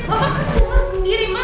apa kan luar sendiri ma